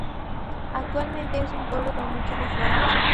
Actualmente es un pueblo con muchas reformas.